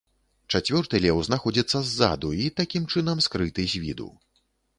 Чацвёрты леў знаходзіцца ззаду і, такім чынам, скрыты з віду.